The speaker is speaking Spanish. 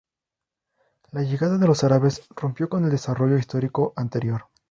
La llegada de los árabes rompió con el desarrollo histórico anterior.